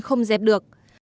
không dẹp được